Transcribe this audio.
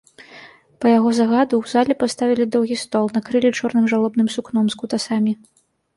Па яго загаду ў зале паставілі доўгі стол, накрылі чорным жалобным сукном з кутасамі.